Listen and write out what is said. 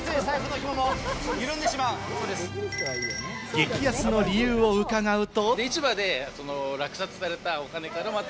激安の理由を伺うと。